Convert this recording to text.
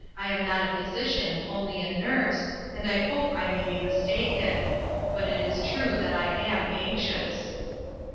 I am not a physician, only a nurse, and I hope I may be mistaken ; but it is true that I am anxious."